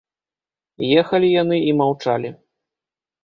Ехалі яны і маўчалі.